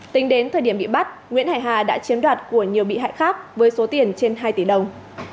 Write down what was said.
tính đến thời điểm bị bắt nguyễn hải hà đã chiếm đoạt của nhiều bị hại khác với số tiền trên hai tỷ đồng